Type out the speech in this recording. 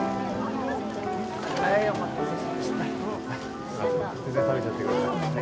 はいお待たせしました。